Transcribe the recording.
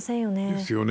ですよね。